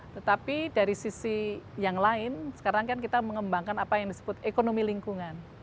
tetapi dari sisi yang lain sekarang kan kita mengembangkan apa yang disebut ekonomi lingkungan